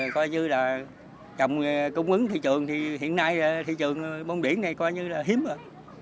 coi như là trồng cung ứng thị trường hiện nay thị trường bông điển này coi như là hiếm rồi